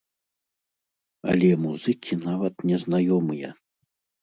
Але музыкі нават не знаёмыя!